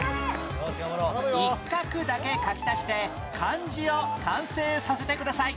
一画だけ書き足して漢字を完成させてください